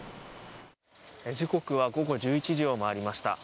時刻は午後１１時を回りました。